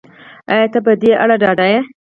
ایا ته په دې اړه ډاډه یې